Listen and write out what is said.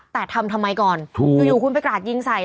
แต่ทำทำไมก่อนถูกอยู่คุณไปกราดยิงใส่